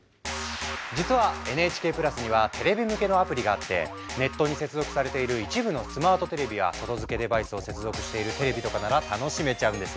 実はＮＨＫプラスにはテレビ向けのアプリがあってネットに接続されている一部のスマートテレビや外付けデバイスを接続しているテレビとかなら楽しめちゃうんです。